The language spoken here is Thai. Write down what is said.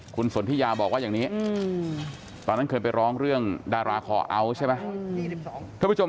คุณสนทิยาบอกว่าอย่างนี้ตอนนั้นเคยไปร้องเรื่องดาราคอเอาท์ใช่ไหม